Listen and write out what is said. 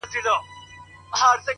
کله کله به یې کور لره تلوار وو -